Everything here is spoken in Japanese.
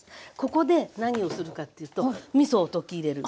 ここで何をするかっていうとみそを溶き入れる。